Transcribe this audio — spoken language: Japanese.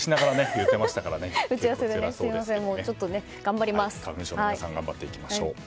花粉症の皆さん頑張っていきましょう。